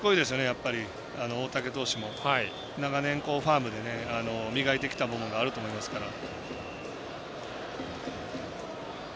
やっぱり大竹投手も長年ファームで磨いてきたものがあると思いますから。